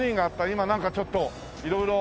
今なんかちょっと色々。